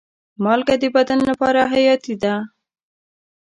مالګه د بدن لپاره حیاتي ده.